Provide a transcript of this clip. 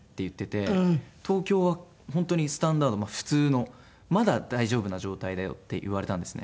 東京は本当にスタンダード普通の「まだ大丈夫な状態だよ」って言われたんですね。